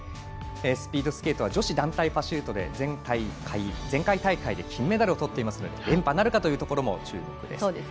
スピードスケートは女子団体パシュートで前回大会で金メダルをとっていますので連覇なるかも注目です。